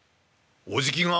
「おじきが？